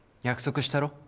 約束したろ？